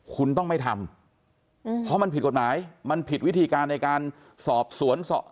คุณต้องไม่ทำเพราะมันผิดกฎหมายมันผิดวิธีการในการสอบสวน